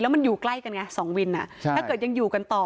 มันอยู่ใกล้กันไง๒วินถ้าเกิดยังอยู่กันต่อ